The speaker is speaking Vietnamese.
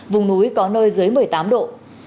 vùng núi có nơi dưới một mươi tám độ